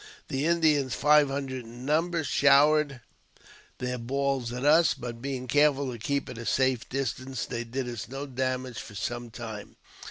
The Indians, five hundred in number, showered 124 AUTOBIOGRAPHY OF their balls at us, but, being careful to keep at a safe distancej they did us no damage for some time.